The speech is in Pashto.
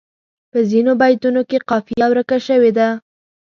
په ځینو بیتونو کې قافیه ورکه شوې ده.